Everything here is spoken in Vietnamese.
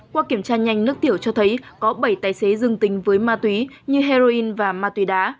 qua kiểm tra nhanh nước tiểu cho thấy có bảy tài xế dương tính với ma túy như heroin và ma túy đá